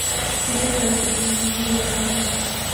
শিশুকালে, আমি আমার পরিবারকে হারাই।